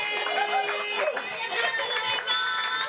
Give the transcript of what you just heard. ありがとうございます。